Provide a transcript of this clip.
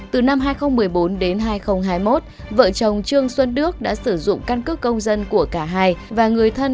từ năm hai nghìn một mươi bốn đến hai nghìn hai mươi một vợ chồng trương xuân đức đã sử dụng căn cước công dân của cả hai và người thân